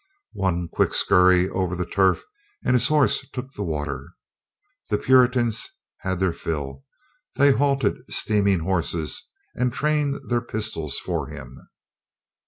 One quick scurry over the turf and his horse took the water. The Puritans had their fill. They halted steaming horses and trained pistols for him.